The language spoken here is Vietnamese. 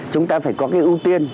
chúng ta phải có cái ưu tiên